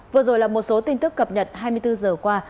vừa rồi là một số tin tức cập nhật hai mươi bốn giờ qua